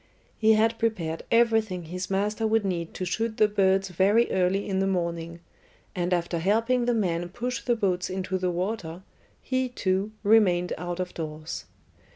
He had prepared everything his master would need to shoot the birds very early in the morning, and after helping the men push the boats into the water, he, too, remained out of doors.